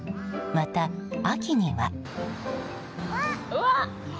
また、秋には。